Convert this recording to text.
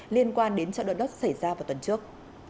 liên quan đến trận động đất xảy ra vào tuần trước